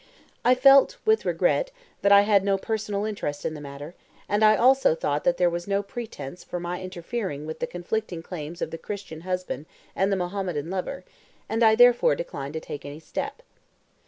I felt (with regret) that I had no personal interest in the matter, and I also thought that there was no pretence for my interfering with the conflicting claims of the Christian husband and the Mahometan lover, and I therefore declined to take any step.